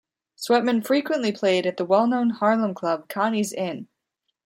Sweatman frequently played at the well known Harlem club Connie's Inn.